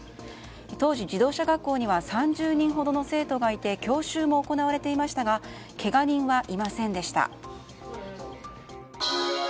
当時、自動車学校には３０人ほどの生徒がいて教習も行われていましたがけが人はいませんでした。